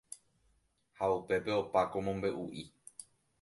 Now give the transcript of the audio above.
Ha upépe opa ko mombe'u'i